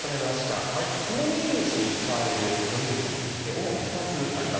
爪水虫に使われるのみ薬主に２つあります。